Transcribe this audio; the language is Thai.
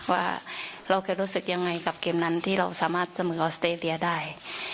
ว่าเราเคยรู้สึกยังไงกับเกมนั้นที่เราสามารถเสมอออสเตรเลียได้